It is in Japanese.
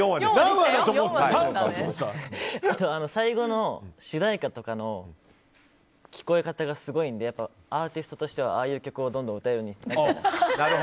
最後の主題歌とかの聴こえ方がすごいのでアーティストとしてはああいう歌をどんどん歌えるようになりたい。